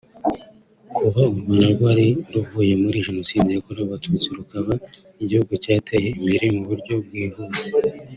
Kuba u Rwanda rwari ruvuye muri Jenoside yakorewe Abatutsi rukaba igihugu cyateye imbere mu buryo bwihuse